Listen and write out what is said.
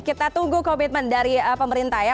kita tunggu komitmen dari pemerintah ya